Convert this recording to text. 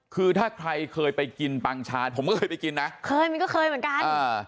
คือถ้าใครเคยไปกินปังชาญผมก็เคยไปกินนะเคยมันก็เคยเหมือนกัน